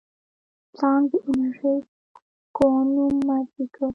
پلانک د انرژي کوانوم معرفي کړ.